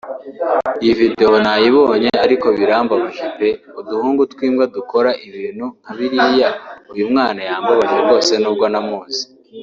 iyo video nayibonye ariko birababaje pe uduhungu tw’imbwa dukora ibintu nkabiriya uyu mwana yambabaje rwose nubwo ntamuzi